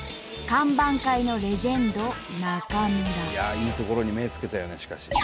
いいところに目つけたよねしかし。